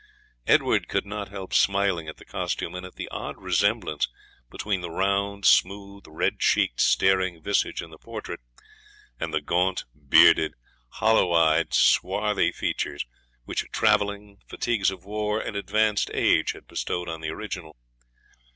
Edward could not help smiling at the costume, and at the odd resemblance between the round, smooth, red cheeked, staring visage in the portrait, and the gaunt, bearded, hollow eyed, swarthy features, which travelling, fatigues of war, and advanced age, had bestowed on the original.